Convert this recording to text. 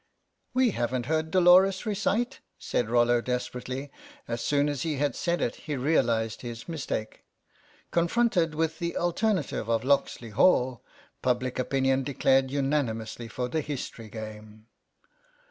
"We haven't heard Dolores recite," said Rollo desperately ; as soon as he had said it he realised his mistake. Confronted with the alternative of "Locksley Hall," public opinion declared unanimously for the history game.